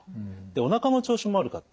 おなかの調子も悪かった。